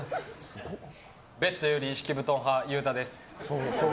ベッドより敷布団派ゆうたです。